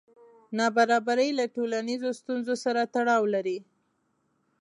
نابرابري له ټولنیزو ستونزو سره تړاو لري.